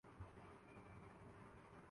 اتنی ہمت نہیں۔